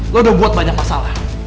lo udah buat banyak masalah